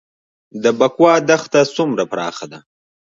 د بکوا دښته څومره پراخه ده؟